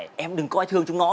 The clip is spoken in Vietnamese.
này em đừng có ai thương chúng nó